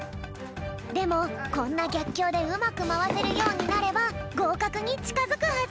でもこんなぎゃっきょうでうまくまわせるようになればごうかくにちかづくはず。